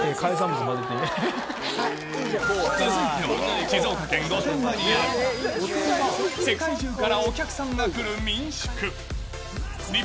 続いては、静岡県御殿場にある世界中からお客さんが来る民宿。